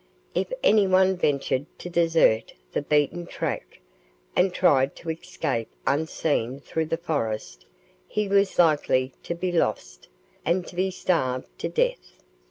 If anyone ventured to desert the beaten track, and tried to escape unseen through the forest, he was likely to be lost, and to be starved to death.